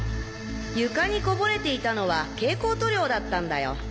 床にこぼれていたのは蛍光塗料だったんだよ。